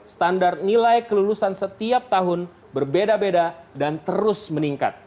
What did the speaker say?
standar nilai kelulusan setiap tahun berbeda beda dan terus meningkat